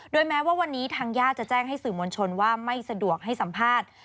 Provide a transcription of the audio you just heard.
แม้ว่าวันนี้ทางญาติจะแจ้งให้สื่อมวลชนว่าไม่สะดวกให้สัมภาษณ์